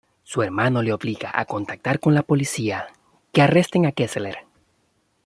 Su hermano le obliga a contactar con la policía, que arrestan a Kessler.